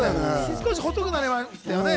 少し細くなりましたよね。